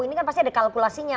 ini kan pasti ada kalkulasinya